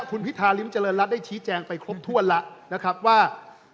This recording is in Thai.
คุณพิธาริมเจริญรัฐได้ชี้แจงไปครบถ้วนแล้วนะครับว่า